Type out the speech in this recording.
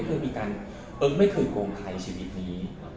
เอิ้งไม่เคยโกงใครชีวิตนี้